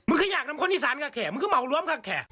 มึงก็อยากนำคนอีสานกักแทะมึงก็เมาร้วมกักแทะ